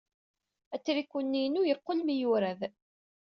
Atriku-nni-inu yeqqel mi yurad.